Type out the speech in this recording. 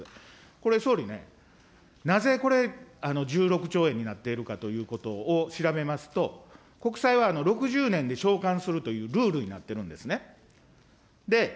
これ、総理ね、なぜこれ、１６兆円になっているかということを調べますと、国債は６０年で償還するというルールになっているんですね。